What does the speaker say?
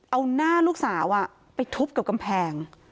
เอาหน้าลูกสาวไปทุบกับกำแพง